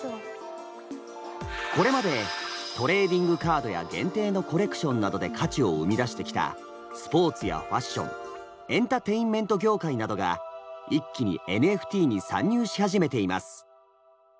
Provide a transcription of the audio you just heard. これまでトレーディングカードや限定のコレクションなどで価値を生み出してきたスポーツやファッションエンターテインメント業界などが一気にＮＦＴに参入し始めています。